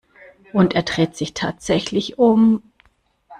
Und er dreht sich tatsächlich um.